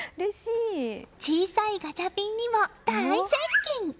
小さいガチャピンにも大接近！